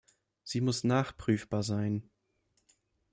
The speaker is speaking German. Sie muss nachprüfbar sein.